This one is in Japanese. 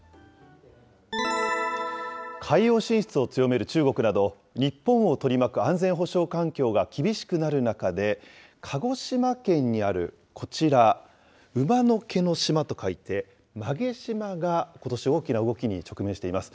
海洋進出を強める中国など、日本を取り巻く安全保障環境が厳しくなる中で、鹿児島県にあるこちら、馬の毛の島と書いて馬毛島が、ことし、大きな動きに直面しています。